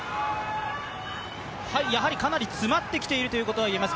やはりかなり詰まってきているということが言えます。